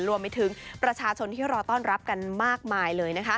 รวมไปถึงประชาชนที่รอต้อนรับกันมากมายเลย